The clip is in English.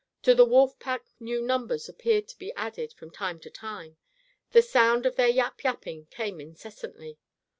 To the wolf pack new numbers appeared to be added from time to time. The sound of their yap yapping came incessantly.